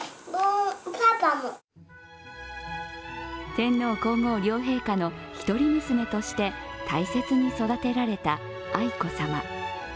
天皇・皇后両陛下の一人娘として大切に育てられた愛子さま。